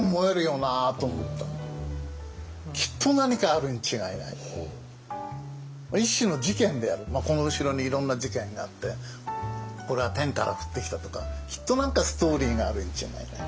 きっと何かあるに違いないこの後ろにいろんな事件があってこれは天から降ってきたとかきっと何かストーリーがあるんじゃないかと。